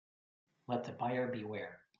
Let the buyer beware.